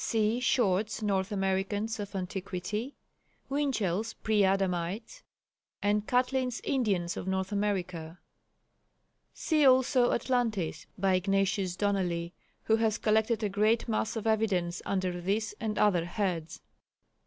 (See Short's North Americans of Antiquity, Winchell's Pre Adamites, and Catlin's Indians of North America; see also Atlantis, by Ignatius Donnelly who has collected a great mass of evidence under this and other heads.)